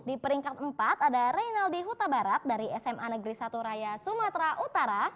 di peringkat empat ada reynaldi huta barat dari sma negeri satu raya sumatera utara